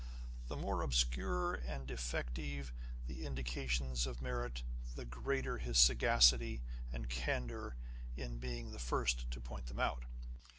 The more obscure and defective the indications of merit, the greater his sagacity and candour in being the first to point them out.